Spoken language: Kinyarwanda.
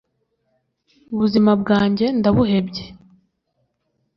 ubuzima bwanjye ndabuhebye